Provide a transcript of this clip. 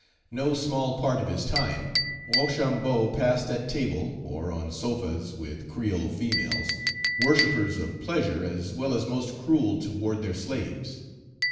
No small part of his time Rochambeau passed at table, or on sofas with creole females, worshippers of pleasure as well as most cruel toward their slaves.